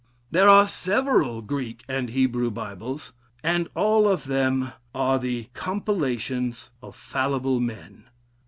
There are several Greek and Hebrew Bibles, and all of them are the compilations of fallible men.